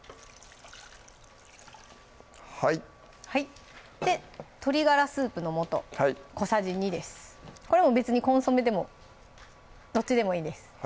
はい鶏ガラスープの素小さじ２ですこれも別にコンソメでもどっちでもいいです